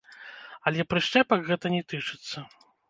Але прышчэпак гэта не тычыцца.